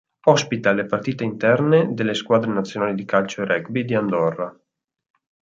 Ospita le partite interne delle squadre nazionali di calcio e rugby di Andorra.